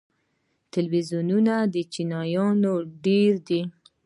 ټلویزیوني چینلونه ډیر دي.